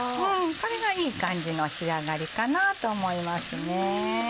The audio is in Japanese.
これがいい感じの仕上がりかなと思いますね。